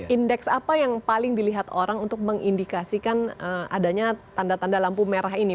indeks apa yang paling dilihat orang untuk mengindikasikan adanya tanda tanda lampu merah ini